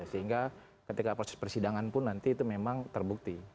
sehingga ketika proses persidangan pun nanti itu memang terbukti